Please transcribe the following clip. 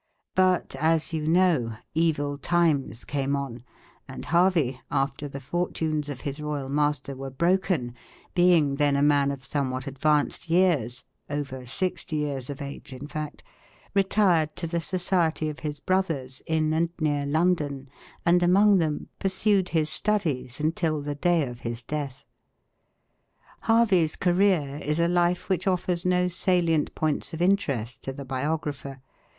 But, as you know, evil times came on; and Harvey, after the fortunes of his royal master were broken, being then a man of somewhat advanced years over 60 years of age, in fact retired to the society of his brothers in and near London, and among them pursued his studies until the day of his death. Harvey's career is a life which offers no salient points of interest to the biographer.